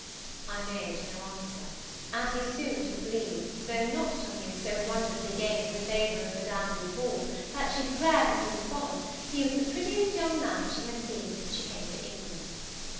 I made no answer; and he soon took leave, tho' not till he had so wonderfully gained the favour of Madame Duval, that she declared, when he was gone, he was the prettiest young man she had seen since she came to England.